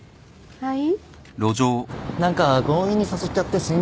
はい。